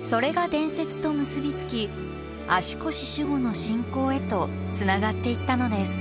それが伝説と結び付き足腰守護の信仰へとつながっていったのです。